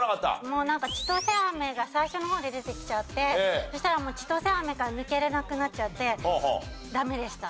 もうなんか千歳飴が最初の方で出てきちゃってそしたらもう千歳飴から抜けれなくなっちゃってダメでした。